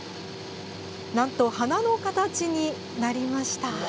なんと、花の形になりました！